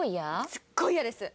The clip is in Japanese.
すっごいイヤです！